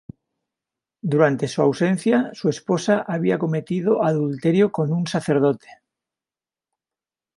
Durante su ausencia, su esposa había cometido adulterio con un sacerdote.